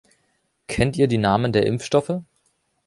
Kennt ihr die Namen der Impfstoffe?